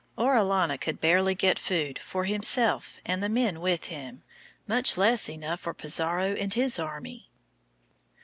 Orellana could barely get food for himself and the men with him, much less enough for Pizarro and his army.